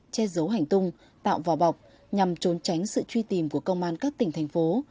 che giấu hành tung tạo vỏ bọc nhằm trốn tránh sự truy tìm của công an các tỉnh thành phố